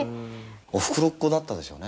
「おふくろっ子だったでしょうね」